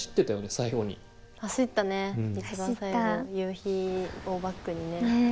一番最後夕日をバックにね。